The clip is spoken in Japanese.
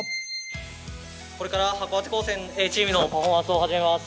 これから函館高専Ａチームのパフォーマンスを始めます。